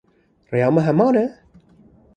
Rêya me heman e?